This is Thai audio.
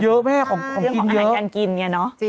เยอะแม่ของอาหารการกินเนี่ยเนอะ